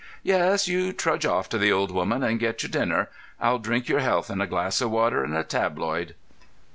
"Yes, you trudge off to the old woman and get your dinner. I'll drink your health in a glass of water and a tabloid."